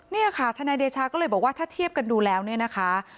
เนี่ยค่ะทนายเดชาก็เลยบอกว่าถ้าเทียบกันดูแล้วเนี่ยนะคะ